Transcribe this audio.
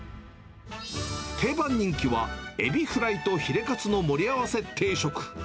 定番人気はエビフライとヒレカツの盛り合わせ定食。